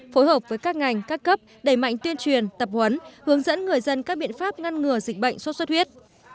phối hợp với các ngành các cấp đẩy mạnh tuyên truyền tập huấn hướng dẫn người dân các biện pháp ngăn ngừa dịch bệnh xuất xuất huyết